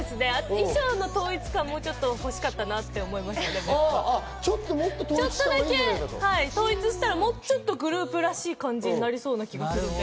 衣装の統一感もほしかったなと思いますけど、ちょっとだけ統一したら、もうちょっとグループらしい感じになりそうな気がするんで。